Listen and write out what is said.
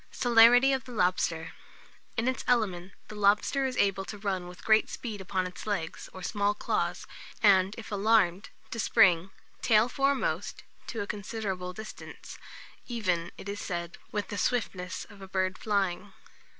CELERITY OF THE LOBSTER. In its element, the lobster is able to run with great speed upon its legs, or small claws, and, if alarmed, to spring, tail foremost, to a considerable distance, "even," it is said, "with the swiftness of a bird flying."